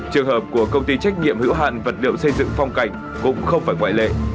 trường hợp của công ty trách nhiệm hữu hạn vật liệu xây dựng phong cảnh cũng không phải ngoại lệ